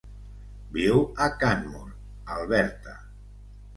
Viu a Canmore, Alberta.